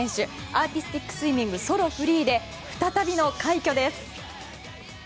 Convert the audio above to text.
アーティスティックスイミングソロフリーで再びの快挙です。